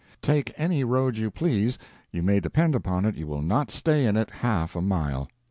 Take any road you please, you may depend upon it you will not stay in it half a mile.